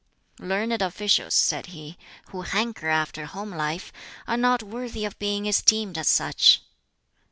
"Learned officials," said he, "who hanker after a home life, are not worthy of being esteemed as such."